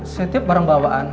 setiap barang bawaan